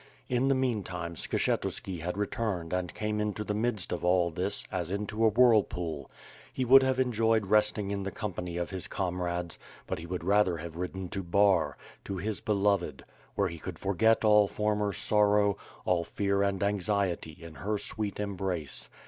In the meantime, Skshetuski had returned and came into the midst of all this, as into a whirlpool. He would have en joyed resting in the company of his comrades, but he would rather have ridden to Bar, to his Beloved, where he could forget all former sorrow, all fear and anxiety in her sweet 414 WITH FIRE AND SWORD, embrace.